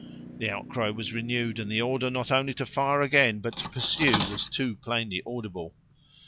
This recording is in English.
The outcry was renewed, and the order, not only to fire again, but to pursue, was too plainly audible.